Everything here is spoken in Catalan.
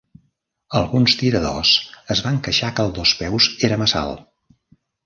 Alguns tiradors es van queixar que el dospeus era massa alt.